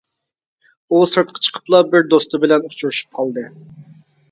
ئۇ سىرتقا چىقىپلا بىر دوستى بىلەن ئۇچرىشىپ قالدى.